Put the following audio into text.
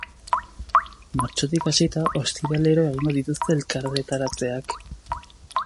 Martxotik hasita, ostiralero egingo dituzte elkarretaratzeak.